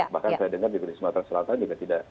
bahkan saya dengar di kediri sumatera selatan juga